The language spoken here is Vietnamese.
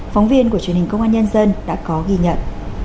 phóng viên của truyền hình công an nhân dân đã có ghi nhận